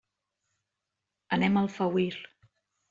Anem a Alfauir.